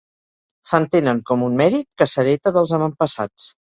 S'entenen com un mèrit que s'hereta dels avantpassats.